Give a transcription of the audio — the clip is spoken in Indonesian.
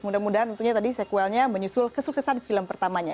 semoga sekuelnya menyusul kesuksesan film pertamanya